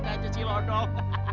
saya aja ciro dong